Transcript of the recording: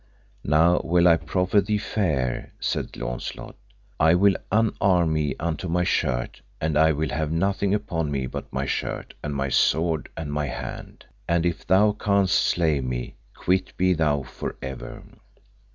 Now will I proffer thee fair, said Launcelot, I will unarm me unto my shirt, and I will have nothing upon me but my shirt, and my sword and my hand. And if thou canst slay me, quit be thou for ever.